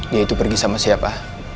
dia itu pergi sama siapa